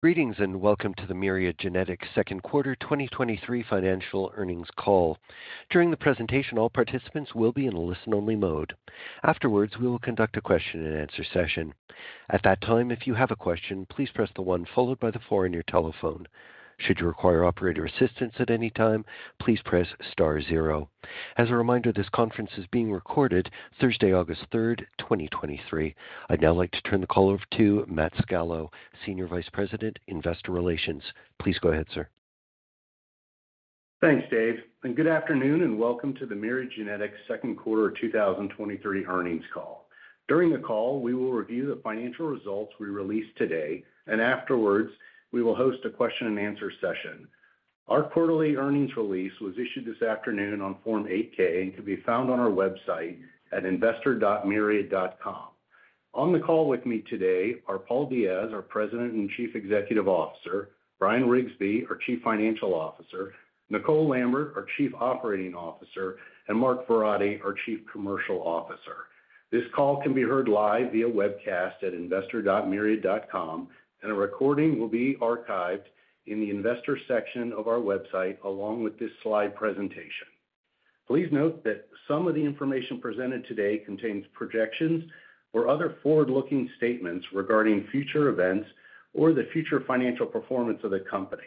Greetings, and welcome to the Myriad Genetics second quarter 2023 financial earnings call. During the presentation, all participants will be in a listen-only mode. Afterwards, we will conduct a question-and-answer session. At that time, if you have a question, please press the one followed by the four on your telephone. Should you require operator assistance at any time, please press star zero. As a reminder, this conference is being recorded Thursday, August 3rd, 2023. I'd now like to turn the call over to Matt Scalo, Senior Vice President, Investor Relations. Please go ahead, sir. Thanks, Dave, good afternoon, welcome to the Myriad Genetics second quarter of 2023 earnings call. During the call, we will review the financial results we released today, afterwards, we will host a question-and-answer session. Our quarterly earnings release was issued this afternoon on Form 8-K and can be found on our website at investor.myriad.com. On the call with me today are Paul Diaz, our President and Chief Executive Officer, Bryan Riggsbee, our Chief Financial Officer, Nicole Lambert, our Chief Operating Officer, and Mark Ferretti, our Chief Commercial Officer. This call can be heard live via webcast at investor.myriad.com, a recording will be archived in the investor section of our website, along with this slide presentation. Please note that some of the information presented today contains projections or other forward-looking statements regarding future events or the future financial performance of the company.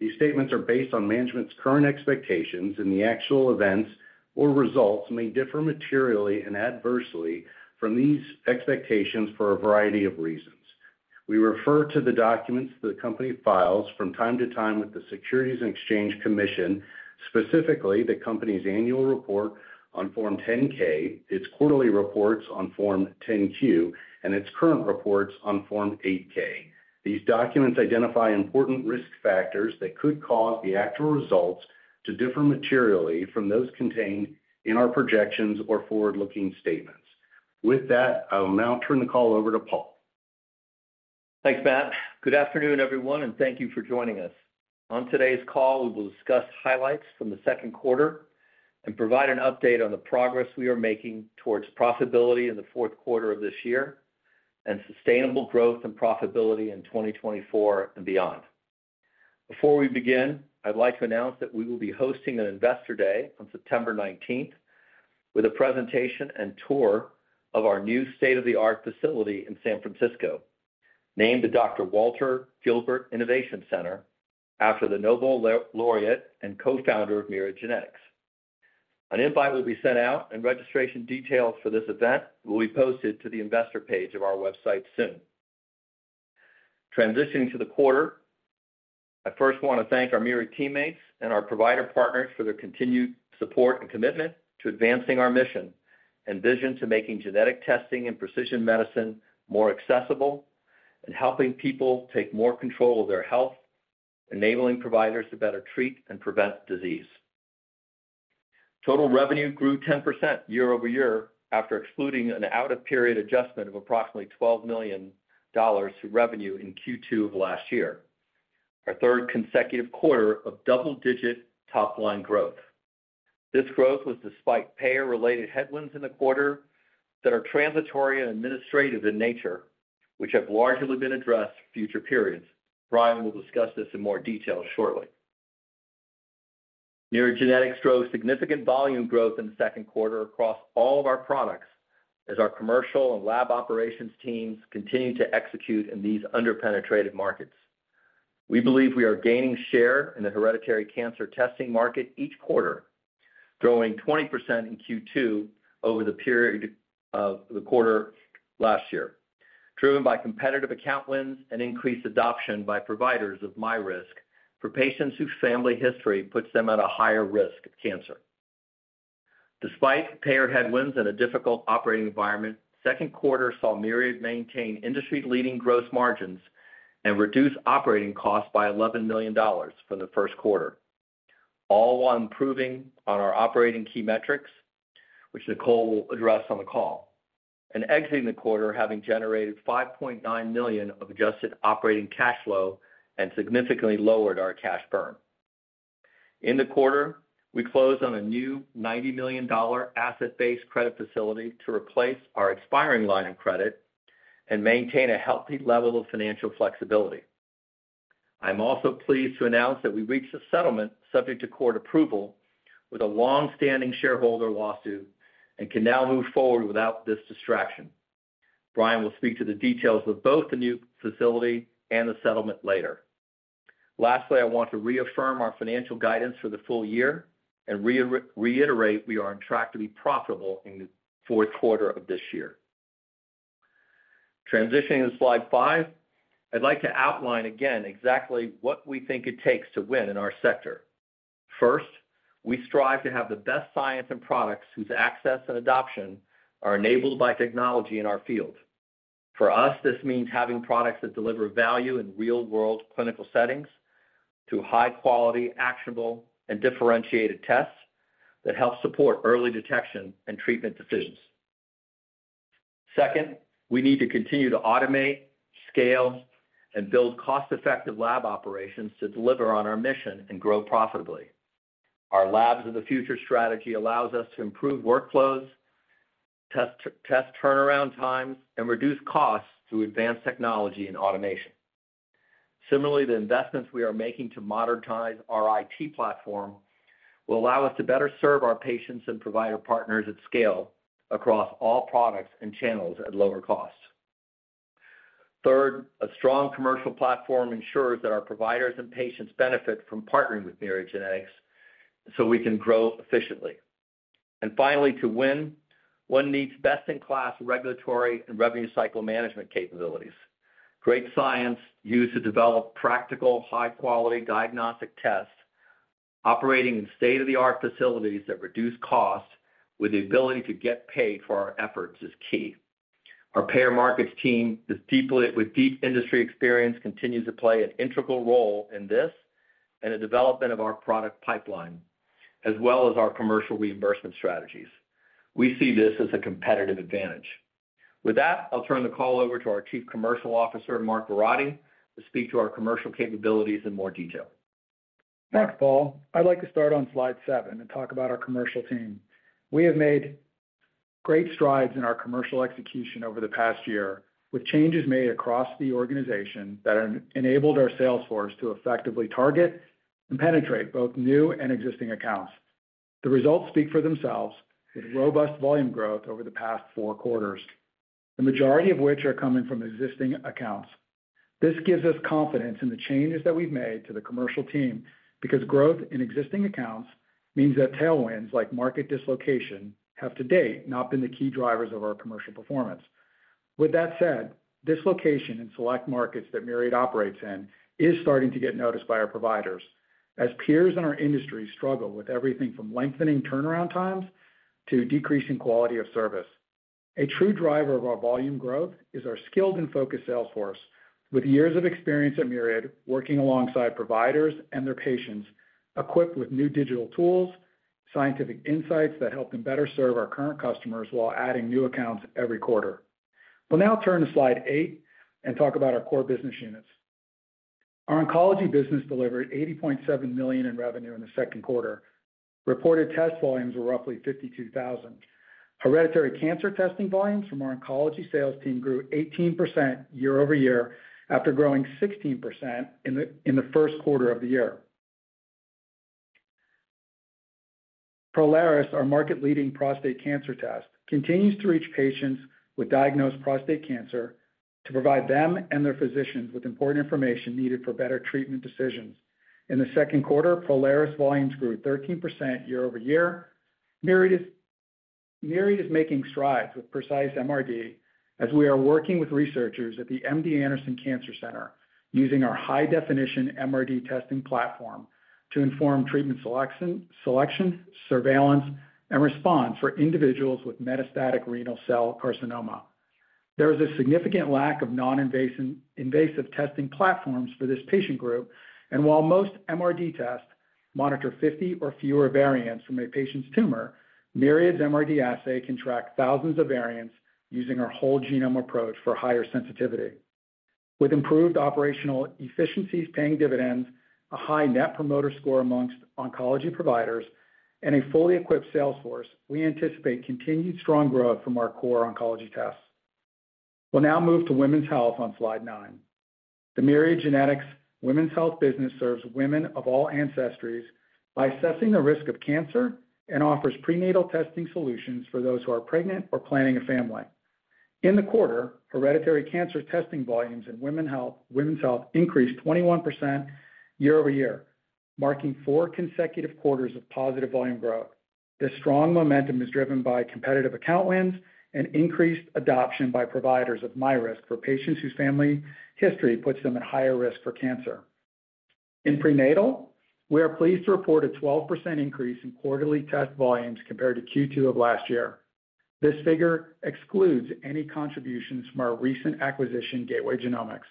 These statements are based on management's current expectations, and the actual events or results may differ materially and adversely from these expectations for a variety of reasons. We refer to the documents that the company files from time to time with the Securities and Exchange Commission, specifically the company's annual report on Form 10-K, its quarterly reports on Form 10-Q, and its current reports on Form 8-K. These documents identify important risk factors that could cause the actual results to differ materially from those contained in our projections or forward-looking statements. With that, I will now turn the call over to Paul. Thanks, Matt. Good afternoon, everyone, and thank you for joining us. On today's call, we will discuss highlights from the second quarter and provide an update on the progress we are making towards profitability in the fourth quarter of this year and sustainable growth and profitability in 2024 and beyond. Before we begin, I'd like to announce that we will be hosting an Investor Day on September 19, with a presentation and tour of our new state-of-the-art facility in San Francisco, named the Dr. Walter Gilbert Innovation Center after the Nobel Laureate and co-founder of Myriad Genetics. An invite will be sent out, and registration details for this event will be posted to the investor page of our website soon. Transitioning to the quarter, I first want to thank our Myriad teammates and our provider partners for their continued support and commitment to advancing our mission and vision to making genetic testing and precision medicine more accessible and helping people take more control of their health, enabling providers to better treat and prevent disease. Total revenue grew 10% year-over-year, after excluding an out-of-period adjustment of approximately $12 million to revenue in Q2 of last year, our third consecutive quarter of double-digit top-line growth. This growth was despite payer-related headwinds in the quarter that are transitory and administrative in nature, which have largely been addressed for future periods. Brian will discuss this in more detail shortly. Myriad Genetics drove significant volume growth in the second quarter across all of our products, as our commercial and lab operations teams continue to execute in these underpenetrated markets. We believe we are gaining share in the hereditary cancer testing market each quarter, growing 20% in Q2 over the period of the quarter last year, driven by competitive account wins and increased adoption by providers of myRisk for patients whose family history puts them at a higher risk of cancer. Despite payer headwinds and a difficult operating environment, second quarter saw Myriad maintain industry-leading gross margins and reduce operating costs by $11 million from the first quarter, all while improving on our operating key metrics, which Nicole will address on the call, and exiting the quarter, having generated $5.9 million of adjusted operating cash flow and significantly lowered our cash burn. In the quarter, we closed on a new $90 million asset-based credit facility to replace our expiring line of credit and maintain a healthy level of financial flexibility. I'm also pleased to announce that we reached a settlement, subject to court approval, with a long-standing shareholder lawsuit and can now move forward without this distraction. Brian will speak to the details of both the new facility and the settlement later. Lastly, I want to reaffirm our financial guidance for the full year and reiterate we are on track to be profitable in the fourth quarter of this year. Transitioning to Slide 5, I'd like to outline again exactly what we think it takes to win in our sector. First, we strive to have the best science and products whose access and adoption are enabled by technology in our field. For us, this means having products that deliver value in real-world clinical settings through high-quality, actionable, and differentiated tests that help support early detection and treatment decisions. Second, we need to continue to automate, scale, and build cost-effective lab operations to deliver on our mission and grow profitably. Our Labs of the Future strategy allows us to improve turnaround times and reduce costs through advanced technology and automation. Similarly, the investments we are making to modernize our IT platform will allow us to better serve our patients and provider partners at scale across all products and channels at lower costs. Third, a strong commercial platform ensures that our providers and patients benefit from partnering with Myriad Genetics, so we can grow efficiently. Finally, to win, one needs best-in-class regulatory and revenue cycle management capabilities. Great science used to develop practical, high-quality diagnostic tests, operating in state-of-the-art facilities that reduce costs, with the ability to get paid for our efforts is key. Our payer markets team, with deep industry experience, continues to play an integral role in this and the development of our product pipeline, as well as our commercial reimbursement strategies. We see this as a competitive advantage. With that, I'll turn the call over to our Chief Commercial Officer, Mark Ferretti, to speak to our commercial capabilities in more detail. Thanks, Paul. I'd like to start on Slide 7 and talk about our commercial team. We have made great strides in our commercial execution over the past year, with changes made across the organization that have enabled our sales force to effectively target and penetrate both new and existing accounts. The results speak for themselves, with robust volume growth over the past four quarters, the majority of which are coming from existing accounts. This gives us confidence in the changes that we've made to the commercial team, because growth in existing accounts means that tailwinds, like market dislocation, have to date not been the key drivers of our commercial performance. With that said, dislocation in select markets that Myriad operates in is starting to get noticed by our providers, as peers in our industry struggle with everything from lengthening turnaround times to decreasing quality of service. A true driver of our volume growth is our skilled and focused sales force, with years of experience at Myriad, working alongside providers and their patients, equipped with new digital tools, scientific insights that help them better serve our current customers while adding new accounts every quarter. We'll now turn to Slide 8 and talk about our core business units. Our oncology business delivered $80.7 million in revenue in the second quarter. Reported test volumes were roughly 52,000. Hereditary cancer testing volumes from our oncology sales team grew 18% year over year, after growing 16% in the first quarter of the year. Prolaris, our market-leading prostate cancer test, continues to reach patients with diagnosed prostate cancer to provide them and their physicians with important information needed for better treatment decisions. In the second quarter, Prolaris volumes grew 13% year over year. Myriad is making strides with Precise MRD, as we are working with researchers at the MD Anderson Cancer Center, using our high-definition MRD testing platform to inform treatment selection, surveillance, and response for individuals with metastatic renal cell carcinoma. There is a significant lack of non-invasive, invasive testing platforms for this patient group, while most MRD tests monitor 50 or fewer variants from a patient's tumor, Myriad's MRD assay can track thousands of variants using our whole genome approach for higher sensitivity. With improved operational efficiencies paying dividends, a high net promoter score amongst oncology providers, and a fully equipped sales force, we anticipate continued strong growth from our core oncology tests. We'll now move to women's health on slide nine. The Myriad Genetics Women's Health business serves women of all ancestries by assessing the risk of cancer and offers prenatal testing solutions for those who are pregnant or planning a family. In the quarter, hereditary cancer testing volumes in women's health increased 21% year-over-year, marking four consecutive quarters of positive volume growth. This strong momentum is driven by competitive account wins and increased adoption by providers of myRisk for patients whose family history puts them at higher risk for cancer. In prenatal, we are pleased to report a 12% increase in quarterly test volumes compared to Q2 of last year. This figure excludes any contributions from our recent acquisition, Gateway Genomics.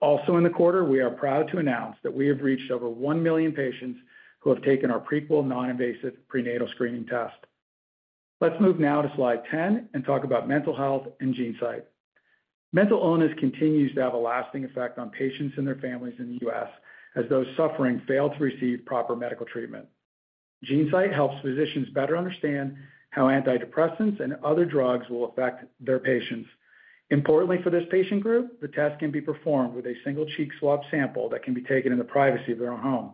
Also in the quarter, we are proud to announce that we have reached over 1 million patients who have taken our Prequel non-invasive prenatal screening test. Let's move now to Slide 10 and talk about mental health and GeneSight. Mental illness continues to have a lasting effect on patients and their families in the US, as those suffering fail to receive proper medical treatment. GeneSight helps physicians better understand how antidepressants and other drugs will affect their patients. Importantly for this patient group, the test can be performed with a single cheek swab sample that can be taken in the privacy of their own home.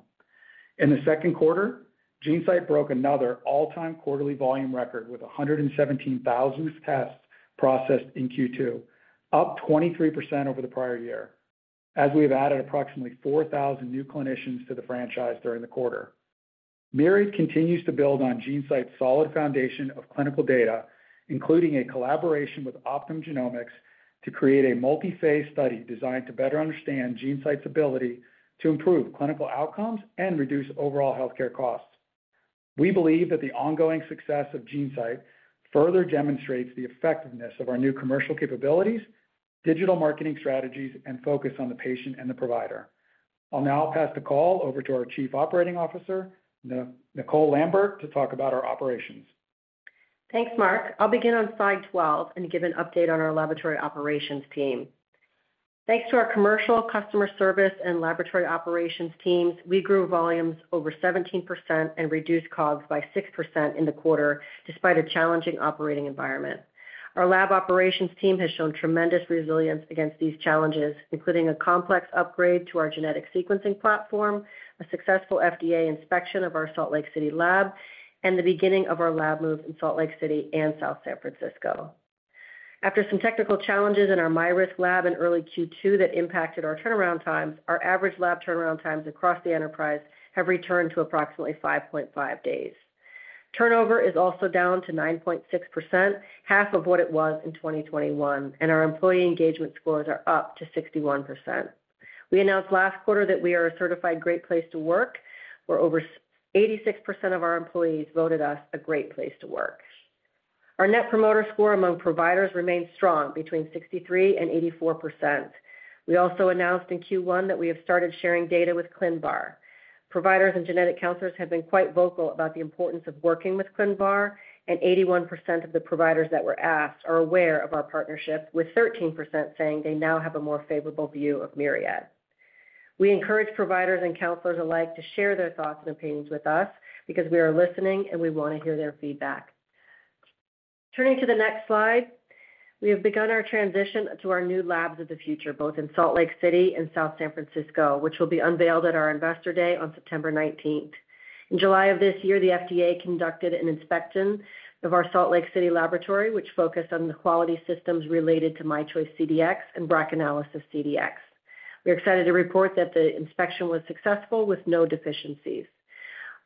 In the second quarter, GeneSight broke another all-time quarterly volume record, with 117,000 tests processed in Q2, up 23% over the prior year, as we have added approximately 4,000 new clinicians to the franchise during the quarter. Myriad continues to build on GeneSight's solid foundation of clinical data, including a collaboration with Optum Genomics to create a multi-phase study designed to better understand GeneSight's ability to improve clinical outcomes and reduce overall healthcare costs. We believe that the ongoing success of GeneSight further demonstrates the effectiveness of our new commercial capabilities, digital marketing strategies, and focus on the patient and the provider. I'll now pass the call over to our Chief Operating Officer, Nicole Lambert, to talk about our operations. Thanks, Mark. I'll begin on slide 12 and give an update on our laboratory operations team. ... Thanks to our commercial, customer service, and laboratory operations teams, we grew volumes over 17% and reduced COGS by 6% in the quarter, despite a challenging operating environment. Our lab operations team has shown tremendous resilience against these challenges, including a complex upgrade to our genetic sequencing platform, a successful FDA inspection of our Salt Lake City lab, and the beginning of our lab move in Salt Lake City and South San Francisco. After some technical challenges in our myRisk lab in early Q2 that impacted our turnaround times, our average lab turnaround times across the enterprise have returned to approximately 5.5 days. Turnover is also down to 9.6%, half of what it was in 2021, and our employee engagement scores are up to 61%. We announced last quarter that we are a certified Great Place To Work, where over 86% of our employees voted us a Great Place To Work. Our net promoter score among providers remains strong, between 63% and 84%. We also announced in Q1 that we have started sharing data with ClinVar. Providers and genetic counselors have been quite vocal about the importance of working with ClinVar, and 81% of the providers that were asked are aware of our partnership, with 13% saying they now have a more favorable view of Myriad. We encourage providers and counselors alike to share their thoughts and opinions with us, because we are listening and we want to hear their feedback. Turning to the next slide, we have begun our transition to our new Labs of the Future, both in Salt Lake City and South San Francisco, which will be unveiled at our Investor Day on September 19. In July of this year, the FDA conducted an inspection of our Salt Lake City laboratory, which focused on the quality systems related to myChoice CDx and BRACAnalysis CDx. We are excited to report that the inspection was successful with no deficiencies.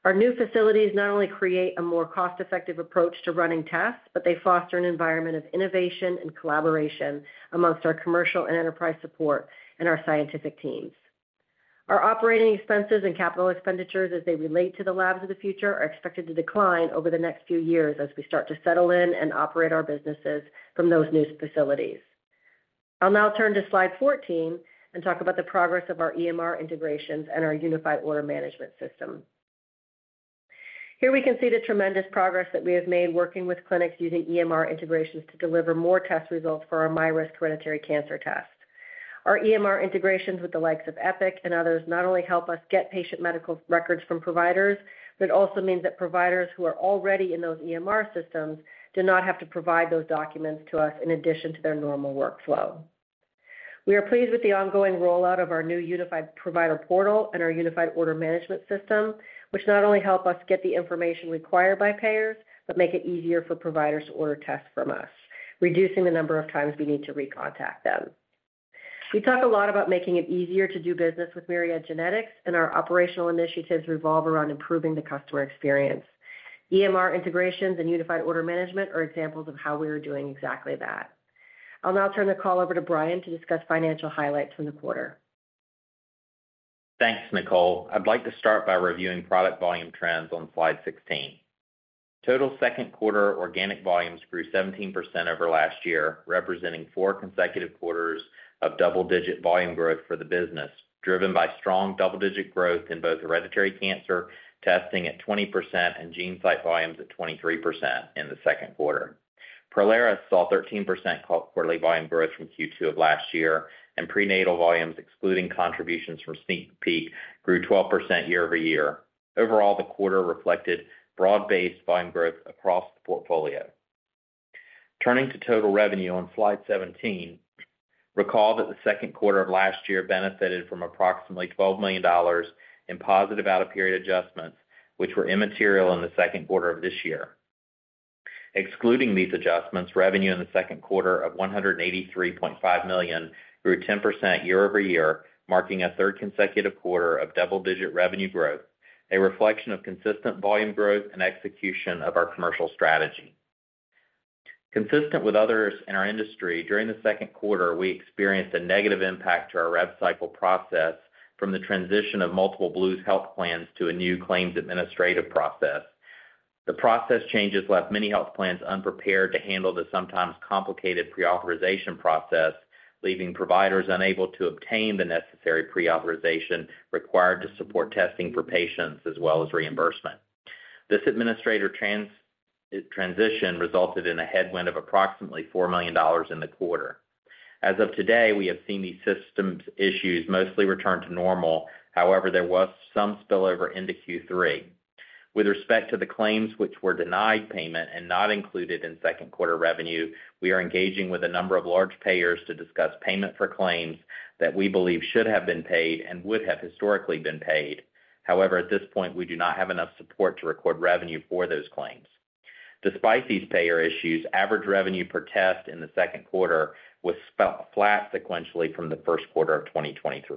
Our new facilities not only create a more cost-effective approach to running tasks, but they foster an environment of innovation and collaboration amongst our commercial and enterprise support and our scientific teams. Our operating expenses and capital expenditures, as they relate to the Labs of the Future, are expected to decline over the next few years as we start to settle in and operate our businesses from those new facilities. I'll now turn to Slide 14 and talk about the progress of our EMR integrations and our unified order management system. Here we can see the tremendous progress that we have made working with clinics using EMR integrations to deliver more test results for our myRisk hereditary cancer test. Our EMR integrations with the likes of Epic and others not only help us get patient medical records from providers, but it also means that providers who are already in those EMR systems do not have to provide those documents to us in addition to their normal workflow. We are pleased with the ongoing rollout of our new unified provider portal and our unified order management system, which not only help us get the information required by payers, but make it easier for providers to order tests from us, reducing the number of times we need to recontact them. We talk a lot about making it easier to do business with Myriad Genetics, our operational initiatives revolve around improving the customer experience. EMR integrations and unified order management are examples of how we are doing exactly that. I'll now turn the call over to Brian to discuss financial highlights from the quarter. Thanks, Nicole. I'd like to start by reviewing product volume trends on Slide 16. Total second quarter organic volumes grew 17% over last year, representing 4 consecutive quarters of double-digit volume growth for the business, driven by strong double-digit growth in both hereditary cancer testing at 20% and GeneSight volumes at 23% in the second quarter. Prolaris saw 13% quarterly volume growth from Q2 of last year, and prenatal volumes, excluding contributions from SneakPeek, grew 12% year-over-year. Overall, the quarter reflected broad-based volume growth across the portfolio. Turning to total revenue on Slide 17, recall that the second quarter of last year benefited from approximately $12 million in positive out-of-period adjustments, which were immaterial in the second quarter of this year. Excluding these adjustments, revenue in the second quarter of $183.5 million grew 10% year-over-year, marking a third consecutive quarter of double-digit revenue growth, a reflection of consistent volume growth and execution of our commercial strategy. Consistent with others in our industry, during the second quarter, we experienced a negative impact to our rev cycle process from the transition of multiple Blues health plans to a new claims administrative process. The process changes left many health plans unprepared to handle the sometimes complicated pre-authorization process, leaving providers unable to obtain the necessary pre-authorization required to support testing for patients as well as reimbursement. This administrator transition resulted in a headwind of approximately $4 million in the quarter. As of today, we have seen these systems issues mostly return to normal. However, there was some spillover into Q3. With respect to the claims which were denied payment and not included in second quarter revenue, we are engaging with a number of large payers to discuss payment for claims that we believe should have been paid and would have historically been paid. However, at this point, we do not have enough support to record revenue for those claims. Despite these payer issues, average revenue per test in the second quarter was flat sequentially from the first quarter of 2023.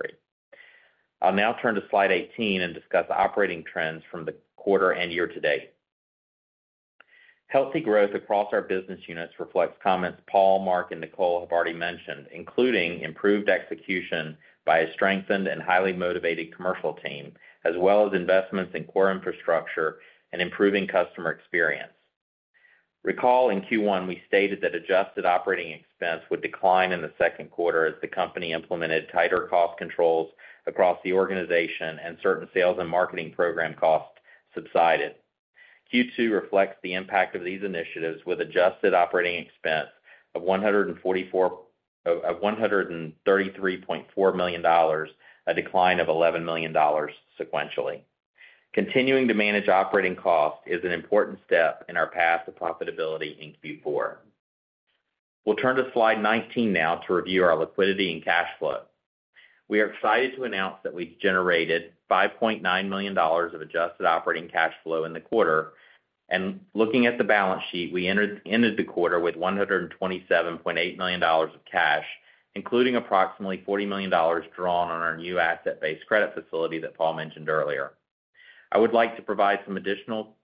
I'll now turn to slide 18 and discuss operating trends from the quarter and year to date. Healthy growth across our business units reflects comments Paul, Mark, and Nicole have already mentioned, including improved execution by a strengthened and highly motivated commercial team, as well as investments in core infrastructure and improving customer experience. Recall in Q1, we stated that adjusted operating expense would decline in the second quarter as the company implemented tighter cost controls across the organization and certain sales and marketing program costs subsided. Q2 reflects the impact of these initiatives, with adjusted operating expense of $133.4 million, a decline of $11 million sequentially. Continuing to manage operating costs is an important step in our path to profitability in Q4. We'll turn to slide 19 now to review our liquidity and cash flow. We are excited to announce that we've generated $5.9 million of adjusted operating cash flow in the quarter. Looking at the balance sheet, we ended the quarter with $127.8 million of cash, including approximately $40 million drawn on our new asset-based credit facility that Paul mentioned earlier. I would like to provide some additional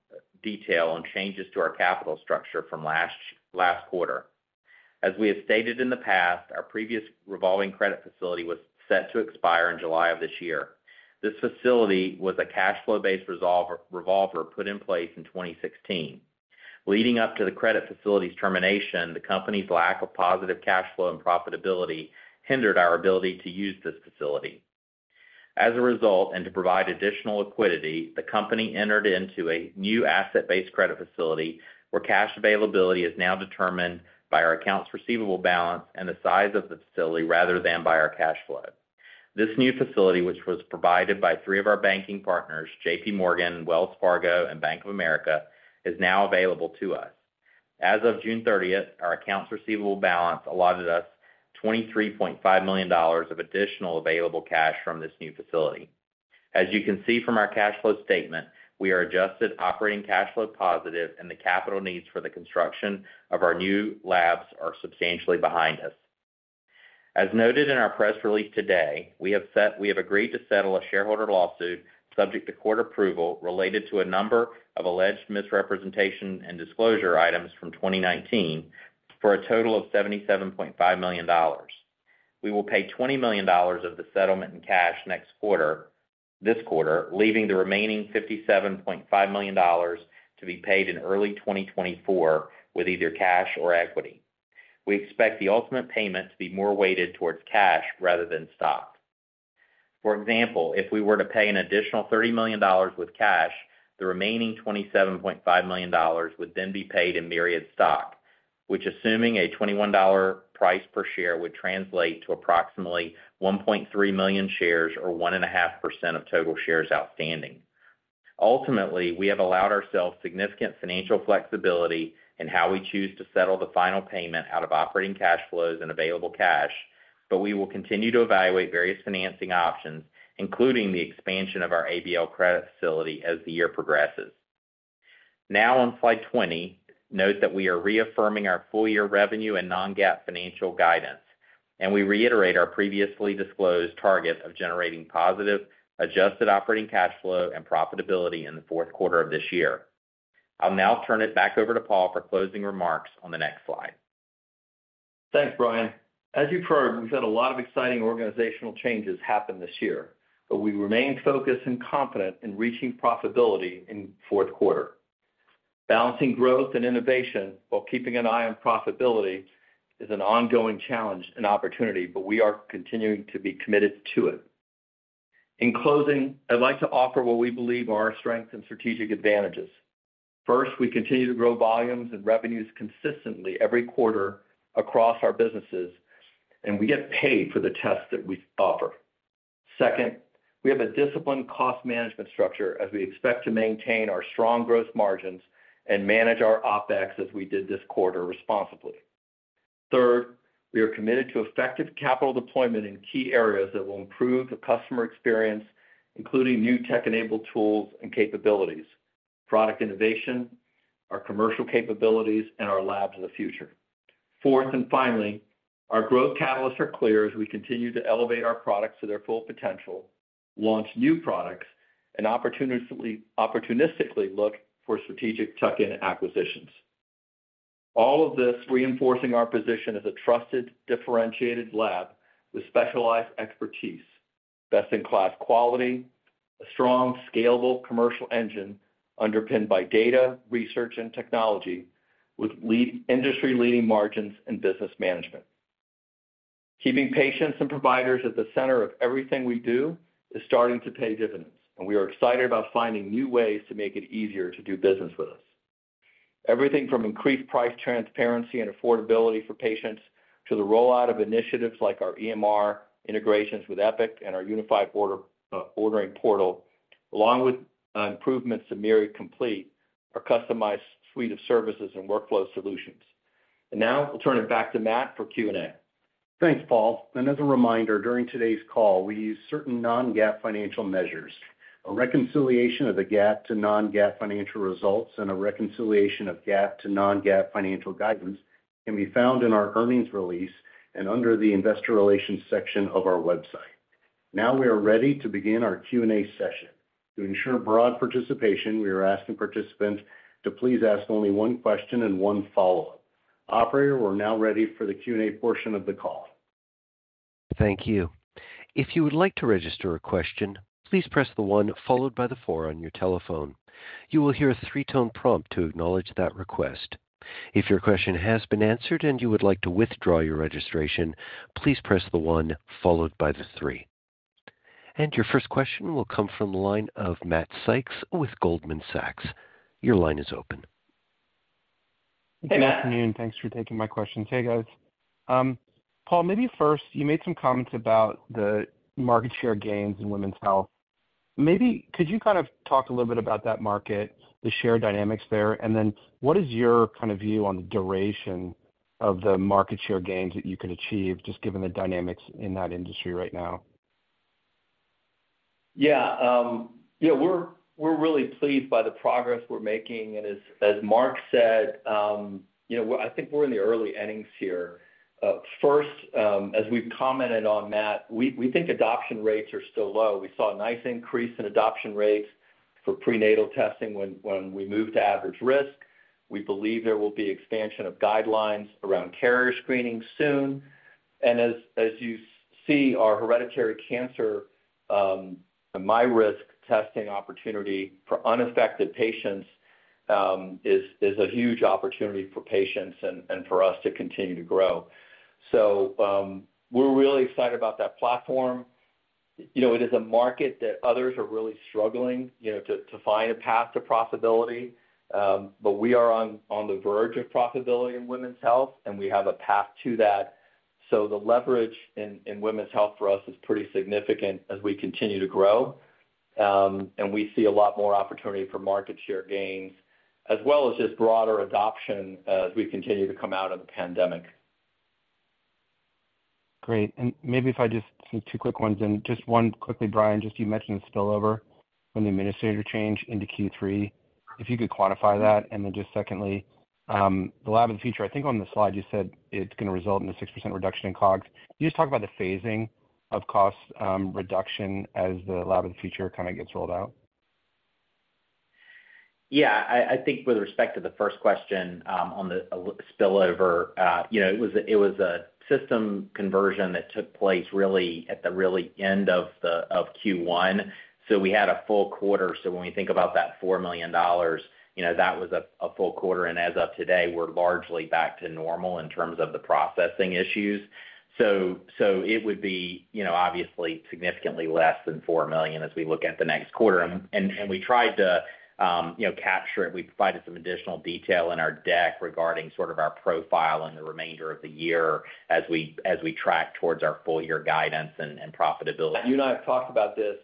detail on changes to our capital structure from last quarter. As we have stated in the past, our previous revolving credit facility was set to expire in July of this year. This facility was a cash flow-based revolver put in place in 2016. Leading up to the credit facility's termination, the company's lack of positive cash flow and profitability hindered our ability to use this facility. As a result, to provide additional liquidity, the company entered into a new asset-based credit facility, where cash availability is now determined by our accounts receivable balance and the size of the facility, rather than by our cash flow. This new facility, which was provided by three of our banking partners, JP Morgan, Wells Fargo, and Bank of America, is now available to us. As of June 30, our accounts receivable balance allotted us $23.5 million of additional available cash from this new facility. As you can see from our cash flow statement, we are adjusted operating cash flow positive, and the capital needs for the construction of our new labs are substantially behind us. As noted in our press release today, we have agreed to settle a shareholder lawsuit, subject to court approval, related to a number of alleged misrepresentation and disclosure items from 2019 for a total of $77.5 million. We will pay $20 million of the settlement in cash this quarter, leaving the remaining $57.5 million to be paid in early 2024 with either cash or equity. We expect the ultimate payment to be more weighted towards cash rather than stock. For example, if we were to pay an additional $30 million with cash, the remaining $27.5 million would then be paid in Myriad stock, which, assuming a $21 price per share, would translate to approximately 1.3 million shares or 1.5% of total shares outstanding. Ultimately, we have allowed ourselves significant financial flexibility in how we choose to settle the final payment out of operating cash flows and available cash, but we will continue to evaluate various financing options, including the expansion of our ABL credit facility, as the year progresses. On Slide 20, note that we are reaffirming our full year revenue and non-GAAP financial guidance. We reiterate our previously disclosed target of generating positive adjusted operating cash flow and profitability in the fourth quarter of this year. I'll now turn it back over to Paul for closing remarks on the next slide. Thanks, Brian. As you've heard, we've had a lot of exciting organizational changes happen this year, but we remain focused and confident in reaching profitability in fourth quarter. Balancing growth and innovation while keeping an eye on profitability is an ongoing challenge and opportunity, but we are continuing to be committed to it. In closing, I'd like to offer what we believe are our strengths and strategic advantages. First, we continue to grow volumes and revenues consistently every quarter across our businesses, and we get paid for the tests that we offer. Second, we have a disciplined cost management structure as we expect to maintain our strong growth margins and manage our OpEx as we did this quarter responsibly. Third, we are committed to effective capital deployment in key areas that will improve the customer experience, including new tech-enabled tools and capabilities, product innovation, our commercial capabilities, and our Labs of the Future. Fourth, finally, our growth catalysts are clear as we continue to elevate our products to their full potential, launch new products, and opportunistically, opportunistically look for strategic tuck-in acquisitions. All of this reinforcing our position as a trusted, differentiated lab with specialized expertise, best-in-class quality, a strong, scalable commercial engine underpinned by data, research, and technology, with industry-leading margins and business management. Keeping patients and providers at the center of everything we do is starting to pay dividends, and we are excited about finding new ways to make it easier to do business with us. Everything from increased price, transparency, and affordability for patients to the rollout of initiatives like our EMR integrations with Epic and our unified order ordering portal, along with improvements to Myriad Complete, our customized suite of services and workflow solutions. Now I'll turn it back to Matt for Q&A. Thanks, Paul. As a reminder, during today's call, we use certain non-GAAP financial measures. A reconciliation of the GAAP to non-GAAP financial results and a reconciliation of GAAP to non-GAAP financial guidance can be found in our earnings release and under the investor relations section of our website. Now we are ready to begin our Q&A session. To ensure broad participation, we are asking participants to please ask only one question and one follow-up. Operator, we're now ready for the Q&A portion of the call. Thank you. If you would like to register a question, please press the one followed by the four on your telephone. You will hear a three-tone prompt to acknowledge that request. If your question has been answered and you would like to withdraw your registration, please press the one followed by the three. Your first question will come from the line of Matt Sykes with Goldman Sachs. Your line is open. Hey, Matt. Good afternoon, thanks for taking my question. Hey, guys. Paul, maybe first, you made some comments about the market share gains in women's health. Maybe could you kind of talk a little bit about that market, the share dynamics there? And then what is your kind of view on the duration of the market share gains that you could achieve, just given the dynamics in that industry right now? Yeah. Yeah, we're, we're really pleased by the progress we're making. As, as Mark said, you know, I think we're in the early innings here. First, as we've commented on that, we, we think adoption rates are still low. We saw a nice increase in adoption rates for prenatal testing when, when we moved to average risk. We believe there will be expansion of guidelines around carrier screening soon. As, as you see, our hereditary cancer, myRisk testing opportunity for unaffected patients, is, is a huge opportunity for patients and, and for us to continue to grow. We're really excited about that platform. You know, it is a market that others are really struggling, you know, to, to find a path to profitability. We are on, on the verge of profitability in women's health, and we have a path to that. The leverage in, in women's health for us is pretty significant as we continue to grow. We see a lot more opportunity for market share gains, as well as just broader adoption as we continue to come out of the pandemic. Great. Maybe if I just, two quick ones, and just one quickly, Brian, just you mentioned the spillover from the administrator change into Q3. If you could quantify that? And then just secondly, the Lab of the Future, I think on the slide, you said it's going to result in a 6% reduction in COGS. Can you just talk about the phasing of cost, reduction as the Lab of the Future kind of gets rolled out? Yeah, I, I think with respect to the first question, on the spillover, you know, it was a system conversion that took place really at the end of Q1, so we had a full quarter. When we think about that $4 million, you know, that was a full quarter, and as of today, we're largely back to normal in terms of the processing issues. It would be, you know, obviously significantly less than $4 million as we look at the next quarter. We tried to, you know, capture it. We provided some additional detail in our deck regarding sort of our profile and the remainder of the year as we track towards our full year guidance and profitability. You and I have talked about this.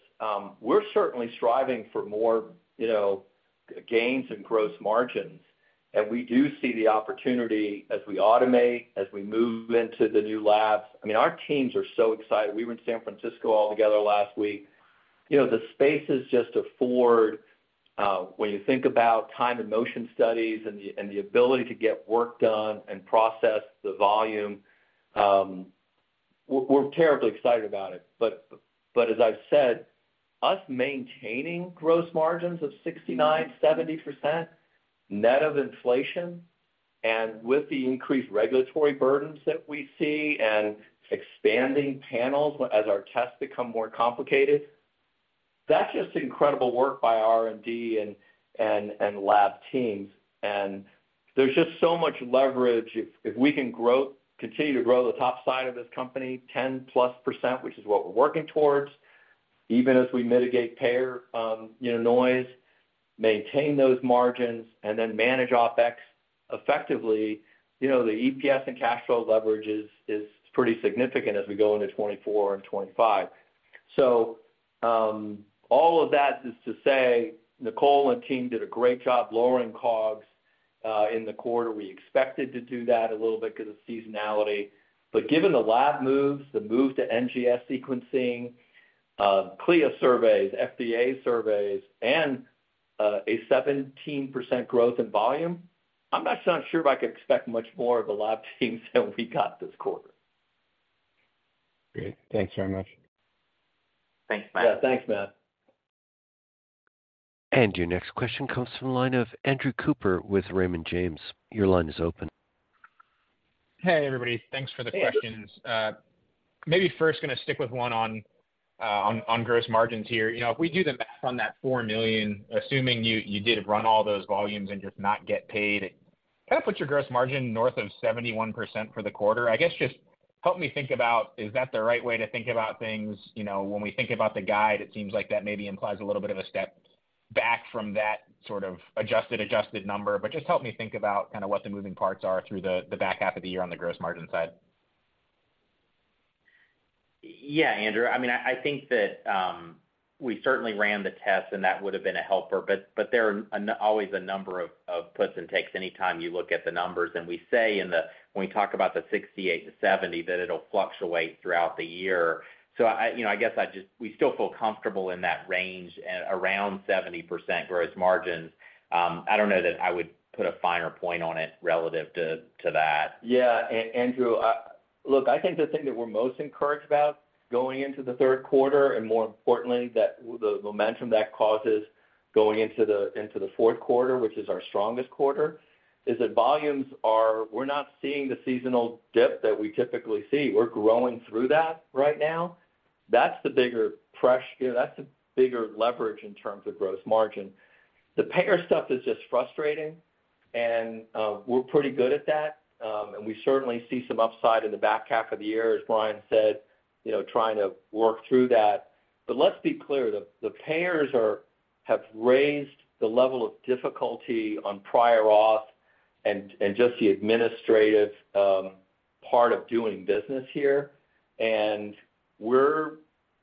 We're certainly striving for more, you know, gains in gross margins, and we do see the opportunity as we automate, as we move into the new labs. I mean, our teams are so excited. We were in San Francisco all together last week. You know, the spaces just afford, when you think about time and motion studies and the, and the ability to get work done and process the volume, we're, we're terribly excited about it. But as I've said, us maintaining gross margins of 69%-70% net of inflation and with the increased regulatory burdens that we see and expanding panels as our tests become more complicated, that's just incredible work by R&D and, and, and lab teams. There's just so much leverage. If we can continue to grow the top side of this company, 10+%, which is what we're working towards, even as we mitigate payer, you know, noise, maintain those margins and then manage OpEx effectively, you know, the EPS and cash flow leverage is pretty significant as we go into 2024 and 2025. All of that is to say, Nicole and team did a great job lowering COGS in the quarter. We expected to do that a little bit because of seasonality. Given the lab moves, the move to NGS sequencing, CLIA surveys, FDA surveys, and a 17% growth in volume, I'm actually not sure if I could expect much more of the lab teams than we got this quarter. Great. Thanks very much. Thanks, Matt. Yeah. Thanks, Matt. Your next question comes from the line of Andrew Cooper with Raymond James. Your line is open. Hey, everybody. Thanks for the questions. maybe first going to stick with one on, on, on gross margins here. You know, if we do the math on that $4 million, assuming you, you did run all those volumes and just not get paid, it kind of put your gross margin north of 71% for the quarter. I guess, just help me think about, is that the right way to think about things? You know, when we think about the guide, it seems like that maybe implies a little bit of a step back from that sort of adjusted, adjusted number. Just help me think about kind of what the moving parts are through the, the back half of the year on the gross margin side. Yeah, Andrew. I mean, I, I think that, we certainly ran the test, and that would have been a helper, but there are always a number of puts and takes any time you look at the numbers. We say when we talk about the 68% to 70%, that it'll fluctuate throughout the year. I, you know, I guess I just, we still feel comfortable in that range at around 70% gross margins. I don't know that I would put a finer point on it relative to that. Yeah, Andrew, look, I think the thing that we're most encouraged about going into the third quarter, more importantly, that the momentum that causes going into the fourth quarter, which is our strongest quarter, is that volumes are we're not seeing the seasonal dip that we typically see. We're growing through that right now. That's the bigger pressure, that's the bigger leverage in terms of gross margin. The payer stuff is just frustrating. We're pretty good at that. We certainly see some upside in the back half of the year, as Brian said, you know, trying to work through that. Let's be clear, the payers are have raised the level of difficulty on prior auth and just the administrative part of doing business here. We're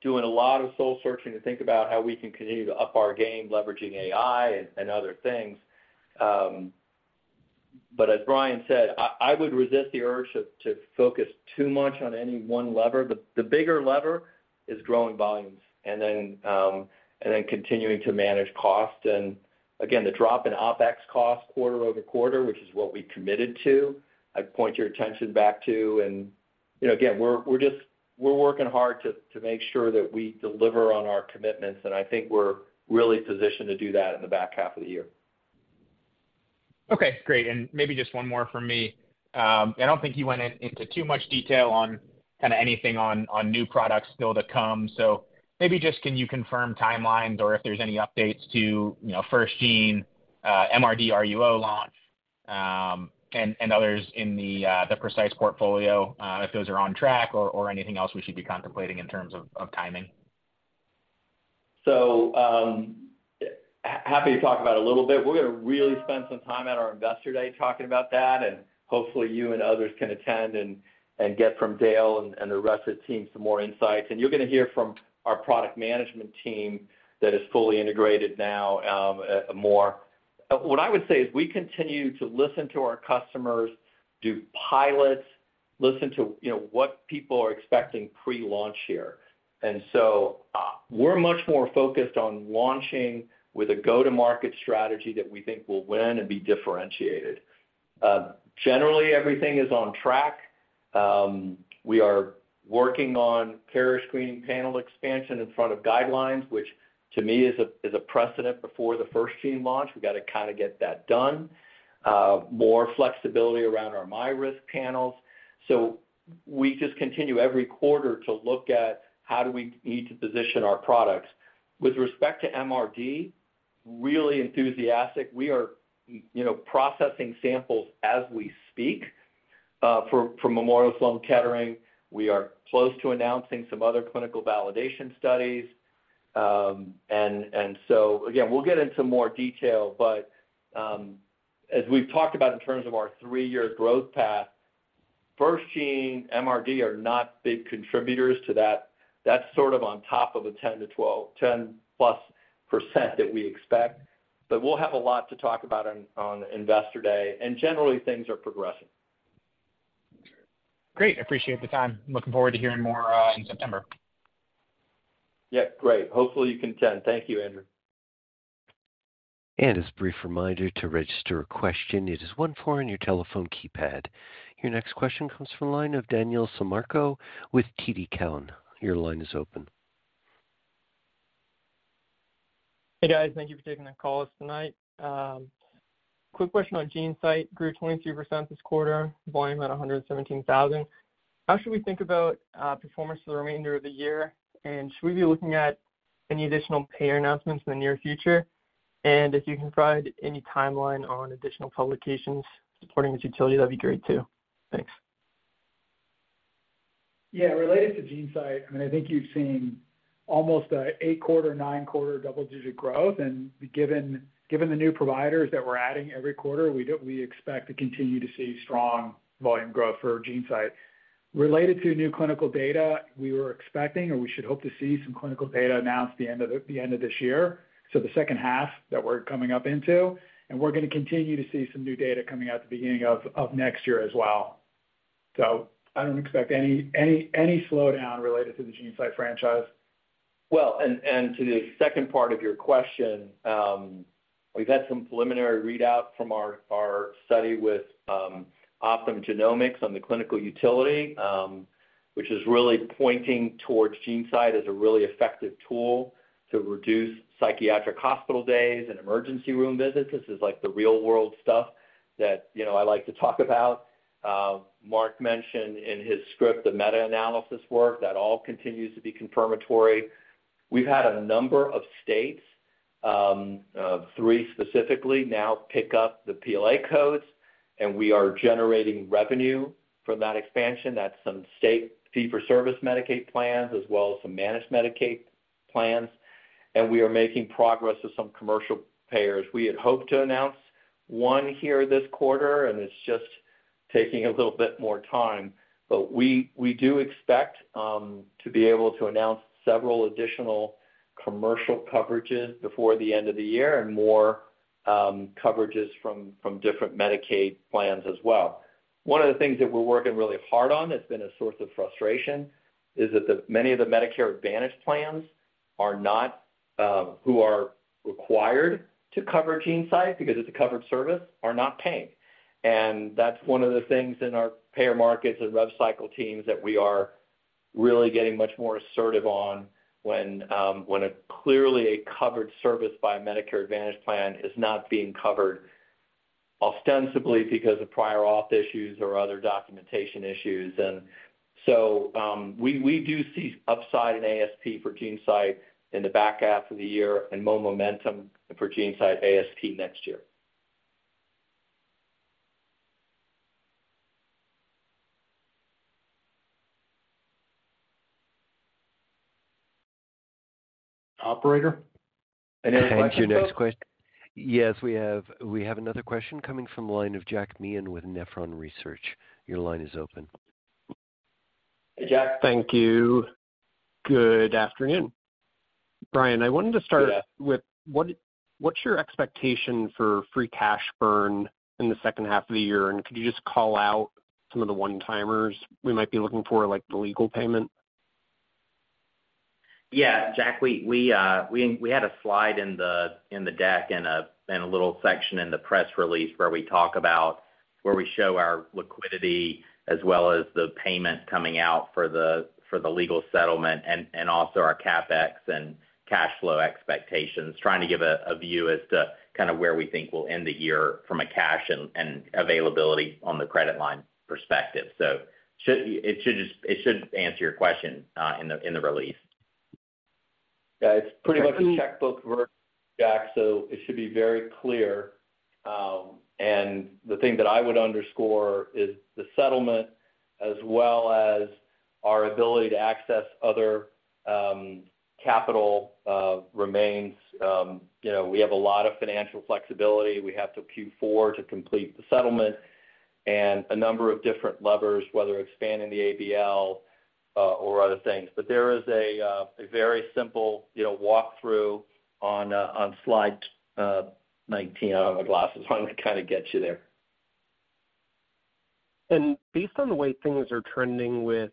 doing a lot of soul searching to think about how we can continue to up our game, leveraging AI and, and other things. But as Brian said, I, I would resist the urge to, to focus too much on any one lever. The bigger lever is growing volumes and then, and then continuing to manage cost. Again, the drop in OpEx cost quarter-over-quarter, which is what we committed to, I'd point your attention back to. You know, again, we're, we're just, we're working hard to, to make sure that we deliver on our commitments, and I think we're really positioned to do that in the back half of the year. Okay, great. Maybe just one more from me. I don't think you went into too much detail on kind of anything on new products still to come. Maybe just can you confirm timelines or if there's any updates to, you know, first gene, MRD, RUO launch, and others in the Precise portfolio, if those are on track or anything else we should be contemplating in terms of timing? Happy to talk about it a little bit. We're gonna really spend some time at our Investor Day talking about that, and hopefully, you and others can attend and, and get from Dale and, and the rest of the team some more insights. You're gonna hear from our product management team that is fully integrated now, more. What I would say is we continue to listen to our customers, do pilots, listen to, you know, what people are expecting pre-launch here. We're much more focused on launching with a go-to-market strategy that we think will win and be differentiated. Generally, everything is on track. We are working on payer screening panel expansion in front of guidelines, which to me is a precedent before the first gene launch. We've got to kind of get that done. More flexibility around our myRisk panels. We just continue every quarter to look at how do we need to position our products. With respect to MRD, really enthusiastic. We are, you know, processing samples as we speak, for, from Memorial Sloan Kettering. Again, we'll get into more detail, but, as we've talked about in terms of our 3-year growth path, first gene MRD are not big contributors to that. That's sort of on top of a 10-12- 10+% that we expect, but we'll have a lot to talk about on, on Investor Day, and generally, things are progressing. Great. I appreciate the time. Looking forward to hearing more in September. Yeah, great. Hopefully, you can attend. Thank you, Andrew. As a brief reminder to register a question, it is 14 on your telephone keypad. Your next question comes from the line of Daniel Sammarco with TD Cowen. Your line is open. Hey, guys. Thank you for taking the call tonight. quick question on GeneSight. Grew 23% this quarter, volume at 117,000. How should we think about performance for the remainder of the year? And should we be looking at any additional payer announcements in the near future? And if you can provide any timeline on additional publications supporting this utility, that'd be great, too. Thanks. Yeah, related to GeneSight, I mean, I think you've seen almost a 8-quarter, 9-quarter double-digit growth, and given the new providers that we're adding every quarter, we expect to continue to see strong volume growth for GeneSight. Related to new clinical data, we were expecting, or we should hope to see some clinical data announced the end of this year, so the second half that we're coming up into, and we're going to continue to see some new data coming out at the beginning of next year as well. So I don't expect any slowdown related to the GeneSight franchise. Well, to the second part of your question, we've had some preliminary readout from our study with Optum Genomics on the clinical utility, which is really pointing towards GeneSight as a really effective tool to reduce psychiatric hospital days and emergency room visits. This is like the real-world stuff that, you know, I like to talk about. Mark mentioned in his script, the meta-analysis work, that all continues to be confirmatory. We've had a number of states, three specifically, now pick up the PLA codes, and we are generating revenue from that expansion. That's some state fee-for-service Medicaid plans, as well as some managed Medicaid plans, and we are making progress with some commercial payers. We had hoped to announce one here this quarter. It's just taking a little bit more time, but we, we do expect, to be able to announce several additional commercial coverages before the end of the year and more, coverages from, from different Medicaid plans as well. One of the things that we're working really hard on, that's been a source of frustration, is that the, many of the Medicare Advantage plans are not, who are required to cover GeneSight because it's a covered service, are not paying. That's one of the things in our payer markets and rev cycle teams that we are really getting much more assertive on when, when a clearly a covered service by a Medicare Advantage plan is not being covered, ostensibly because of prior auth issues or other documentation issues. We, we do see upside in ASP for GeneSight in the back half of the year and more momentum for GeneSight ASP next year. Operator, any questions? Thank you. Next, yes, we have another question coming from the line of Jack Meehan with Nephron Research. Your line is open. Hey, Jack. Thank you. Good afternoon. Brian, I wanted to start with what's your expectation for free cash burn in the second half of the year? Could you just call out some of the one-timers we might be looking for, like the legal payment? Yeah, Jack, we had a slide in the deck and a little section in the press release where we talk about where we show our liquidity as well as the payment coming out for the legal settlement and also our CapEx and cash flow expectations, trying to give a view as to kind of where we think we'll end the year from a cash and availability on the credit line perspective. It should just, it should answer your question, in the release. Yeah, it's pretty much a checkbook, Jack, so it should be very clear. The thing that I would underscore is the settlement, as well as our ability to access other capital remains. You know, we have a lot of financial flexibility. We have till Q4 to complete the settlement and a number of different levers, whether expanding the ABL or other things. There is a very simple, you know, walkthrough on slide 19. I don't have my glasses on to kind of get you there. Based on the way things are trending with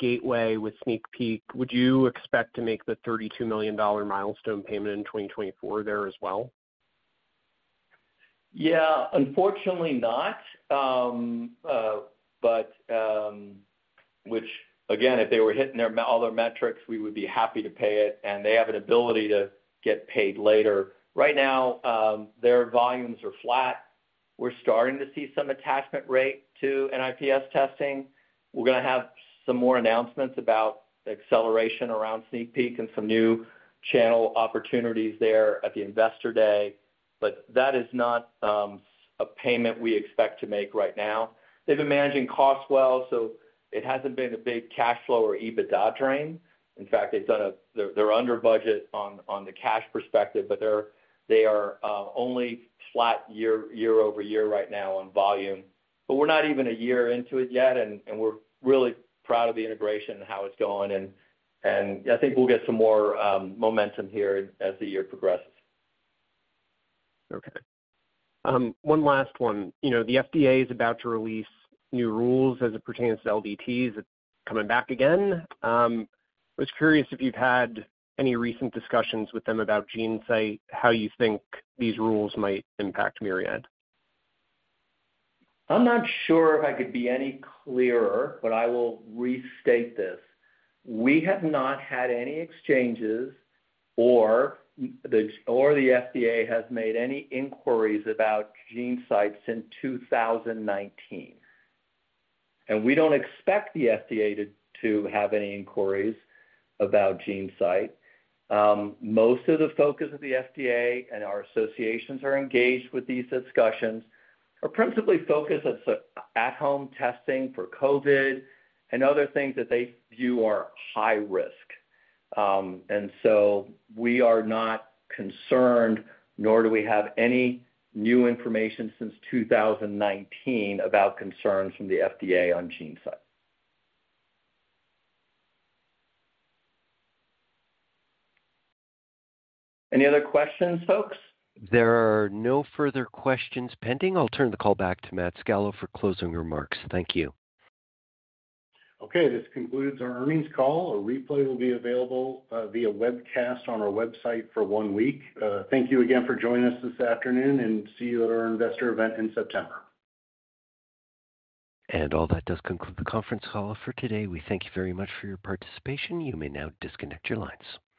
Gateway, with SneakPeek, would you expect to make the $32 million milestone payment in 2024 there as well? Yeah, unfortunately not. Which again, if they were hitting their, all their metrics, we would be happy to pay it, and they have an ability to get paid later. Right now, their volumes are flat. We're starting to see some attachment rate to NIPS testing. We're gonna have some more announcements about acceleration around SneakPeek and some new channel opportunities there at the Investor Day, but that is not a payment we expect to make right now. They've been managing costs well, so it hasn't been a big cash flow or EBITDA drain. In fact, they're, they're under budget on, on the cash perspective, but they're, they are only flat year-over-year right now on volume. We're not even a year into it yet, and, and we're really proud of the integration and how it's going, and, and I think we'll get some more momentum here as the year progresses. Okay. One last one. You know, the FDA is about to release new rules as it pertains to LDTs. It's coming back again. I was curious if you've had any recent discussions with them about GeneSight, how you think these rules might impact Myriad? I'm not sure if I could be any clearer, but I will restate this. We have not had any exchanges, or the FDA has made any inquiries about GeneSight since 2019, and we don't expect the FDA to have any inquiries about GeneSight. Most of the focus of the FDA, and our associations are engaged with these discussions, are principally focused as at-home testing for COVID and other things that they view are high risk. So we are not concerned, nor do we have any new information since 2019 about concerns from the FDA on GeneSight. Any other questions, folks? There are no further questions pending. I'll turn the call back to Matt Scalo for closing remarks. Thank you. Okay, this concludes our earnings call. A replay will be available via webcast on our website for one week. Thank you again for joining us this afternoon. See you at our investor event in September. All that does conclude the conference call for today. We thank you very much for your participation. You may now disconnect your lines.